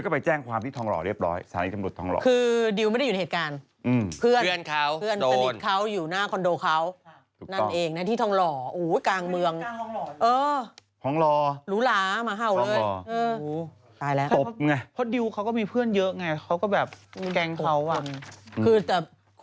ผมมีเรื่องลึกเรื่องหลั่งหรอก